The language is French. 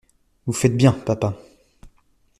Vous faites bien, papa.